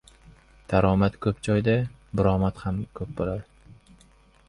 • Daromad ko‘p joyda buromad ham ko‘p bo‘ladi.